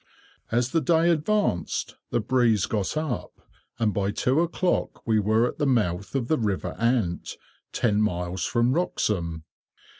As the day advanced, the breeze got up, and by two o'clock we were at the mouth of the river Ant, ten miles from Wroxham.